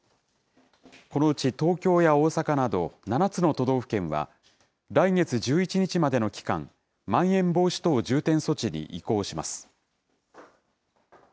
このうち東京や大阪など７つの都道府県は、来月１１日までの期間、まん延防止等重点措置に移行します。